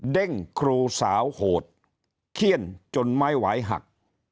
เด้งครูสาวโหดเขี้ยนจนไม่ไหวหัก